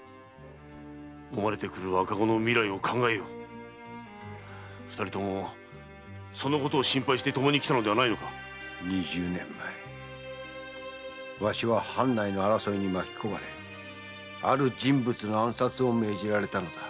生まれてくる赤子の未来を考えよ二人ともそのことを心配して来たのではないのか二十年前わしは藩内の争いに巻きこまれある人物の暗殺を命じられたのだ。